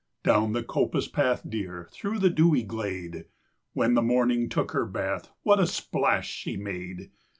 Down the coppice path, dear, Through the dewy glade, (When the Morning took her bath What a splash she made!)